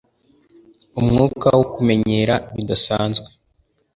Umwuka wo kumenyera bidasanzwe